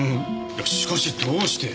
いやしかしどうして？